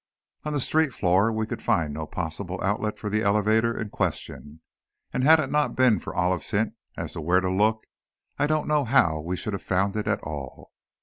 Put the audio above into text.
On the street floor we could find no possible outlet for the elevator in question, and had it not been for Olive's hint as to where to look, I don't know how we should have found it at all.